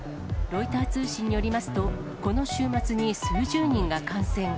ロイター通信によりますと、この週末に数十人が感染。